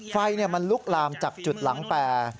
ไฟมันลุกลามจากจุดหลังแปร